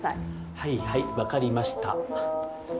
はいはいわかりました。